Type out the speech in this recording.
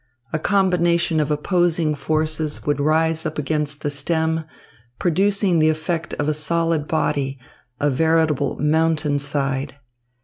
A combination of opposing forces would rise up against the stem, producing the effect of a solid body, a veritable mountainside.